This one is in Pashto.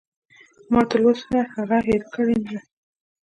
ما لاتر اوسه هغه هېره کړې نه ده.